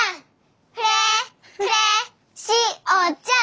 フレーフレーしおちゃん！